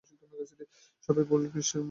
সবাই গোল্ডফিশের মতো মুখ খুলে রেখেছে কেন?